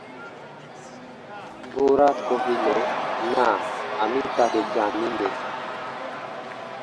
গোরা কহিল, না, আমি তাঁকে জানি নে।